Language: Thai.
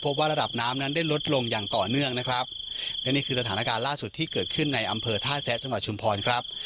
ว่าระดับน้ำนั้นได้ลดลงอย่างต่อเนื่องนะครับและนี่คือสถานการณ์ล่าสุดที่เกิดขึ้นในอำเภอท่าแซะจังหวัดชุมพรครับ